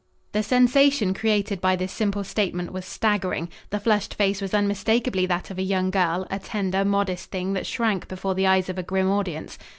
The sensation created by this simple statement was staggering. The flushed face was unmistakably that of a young girl, a tender, modest thing that shrank before the eyes of a grim audience.